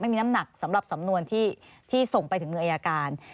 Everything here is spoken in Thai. ไม่มีน้ำหนักสำหรับสำนวนที่ส่งไปถึงมืออายการ